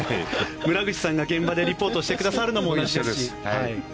村口さんが現場でリポートしてくださるのも一緒ですし。